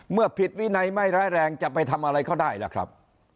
ผิดวินัยไม่ร้ายแรงจะไปทำอะไรเขาได้ล่ะครับ